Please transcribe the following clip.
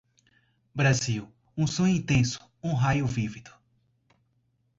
Brasil, um sonho intenso, um raio vívido